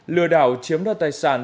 lừa đảo chiếm đoạt tài sản